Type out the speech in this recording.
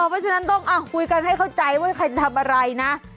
เพราะฉะนั้นต้องคุยกันให้เข้าใจว่าใครทำอะไรนะ